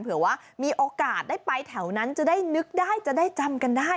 เผื่อว่ามีโอกาสได้ไปแถวนั้นจะได้นึกได้จะได้จำกันได้